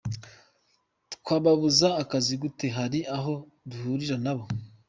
Twababuza akazi gute, hari aho duhurira na bo?”.